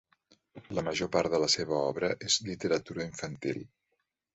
La major part de la seva obra és literatura infantil.